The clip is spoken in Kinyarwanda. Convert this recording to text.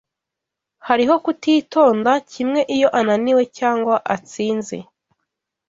Hariho kutitonda, kimwe iyo ananiwe cyangwa atsinze